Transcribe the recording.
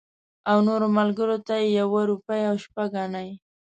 او نورو ملګرو ته یې یوه روپۍ او شپږ انې.